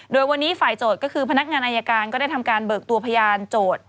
โดยวันนี้ฝ่ายโจทย์ก็คือพนักงานอายการก็ได้ทำการเบิกตัวพยานโจทย์